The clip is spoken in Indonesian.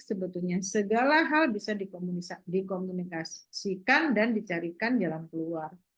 sebetulnya segala hal bisa dikomunikasikan dan dicarikan jalan keluar